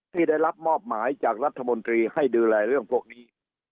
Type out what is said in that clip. ที่ได้รับมอบหมายจากรัฐมนตรีให้ดูแลเรื่องพวกนี้